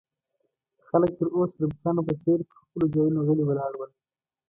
خلک تر اوسه د بتانو په څېر پر خپلو ځایو غلي ولاړ ول.